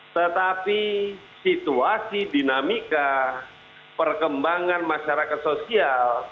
tetapi situasi dinamika perkembangan masyarakat sosial